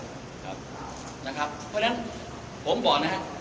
เพราะฉะนั้นผมบอกนะครับ